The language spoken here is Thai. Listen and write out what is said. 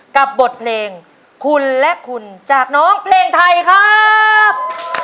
กับบทเพลงคุณและคุณจากน้องเพลงไทยครับ